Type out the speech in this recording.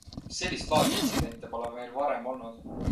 Sellist laadi intsidente pole meil varem olnud.